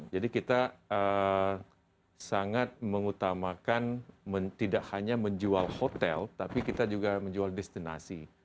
jadi kita sangat mengutamakan tidak hanya menjual hotel tapi kita juga menjual destinasi